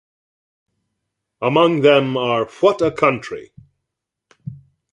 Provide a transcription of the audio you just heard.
Among them are What a Country!